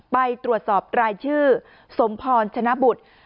ไปตรวจสอบรายชื่อสมพรชนะบุตร